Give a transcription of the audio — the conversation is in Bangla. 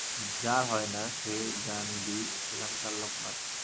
যার হয় না, সে জানবি এখানকার লোক নয়।